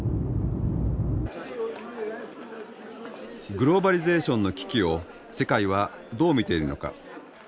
グローバリゼーションの危機を世界はどう見ているのか。